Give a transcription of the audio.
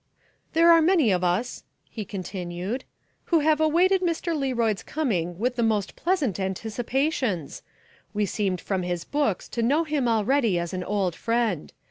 "There are many of us," he continued, "who have awaited Mr. Learoyd's coming with the most pleasant anticipations. We seemed from his books to know him already as an old friend.